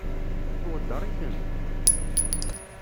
Tweddeṛ-itent?